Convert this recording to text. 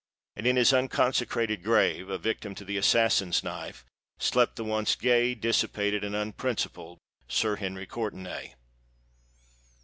And in his unconsecrated grave—a victim to the assassin's knife—slept the once gay, dissipated, and unprincipled Sir Henry Courtenay!